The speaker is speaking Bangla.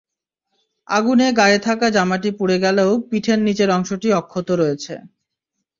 আগুনে গায়ে থাকা জামাটি পুড়ে গেলেও পিঠের নিচের অংশটি অক্ষত রয়েছে।